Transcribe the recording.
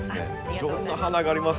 いろんな花がありますね。